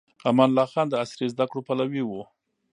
امان الله خان د عصري زده کړو پلوي و.